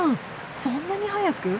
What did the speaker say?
そんなに早く？